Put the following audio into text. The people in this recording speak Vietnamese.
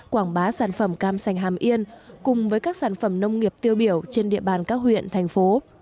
quảng bá sản phẩm cam sành hàm yên cùng với các sản phẩm nông nghiệp tiêu biểu trên địa bàn các huyện thành phố